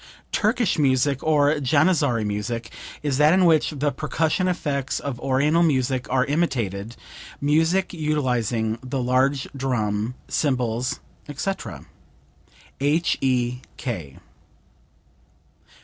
["Turkish" music, or "Janizary" music, is that in which the percussion effects of Oriental music are imitated music utilizing the large drum, cymbals, etc. H.E.K.